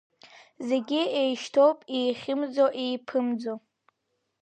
Зегь еишьҭоуп еихьымӡа-еиԥымӡо…